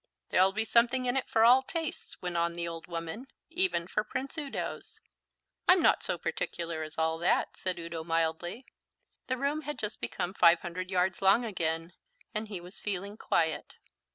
"There'll be something in it for all tastes," went on the old woman, "even for Prince Udo's." "I'm not so particular as all that," said Udo mildly. The room had just become five hundred yards long again, and he was feeling quiet.